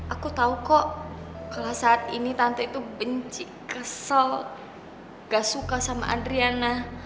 aku tahu kok kalau saat ini tante itu benci kesel gak suka sama adriana